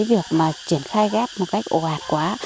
việc mà triển khai ghép một cách ồ ạt quá